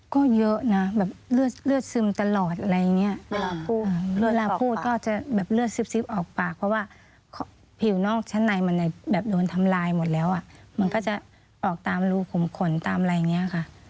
ก็เยอะนะแบบเลือดซึมตลอดอะไรอย่างเงี้ยเวลาพูดเวลาพูดก็จะแบบเลือดซิบออกปากเพราะว่าผิวนอกชั้นในมันแบบโดนทำลายหมดแล้วอ่ะมันก็จะออกตามรูขมขนตามอะไรอย่างนี้ค่ะ